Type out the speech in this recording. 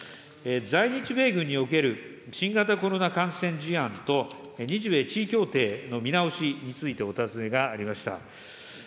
在日米軍における新型コロナ感染事案と日米地位協定の見直しについてお尋ねがありました。